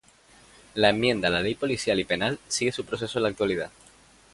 La enmienda a la Ley policial y penal sigue su proceso en la actualidad.